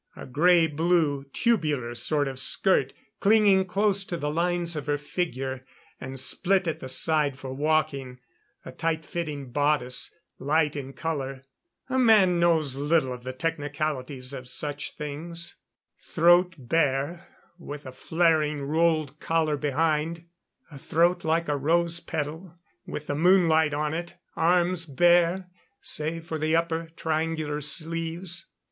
A grey blue, tubular sort of skirt, clinging close to the lines of her figure and split at the side for walking; a tight fitting bodice, light in color (a man knows little of the technicalities of such things); throat bare, with a flaring rolled collar behind a throat like a rose petal with the moonlight on it; arms bare, save for the upper, triangular sleeves.